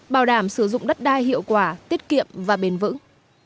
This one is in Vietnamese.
bảo đảm sử dụng đất đai hiệu quả tiết kiệm và bền vững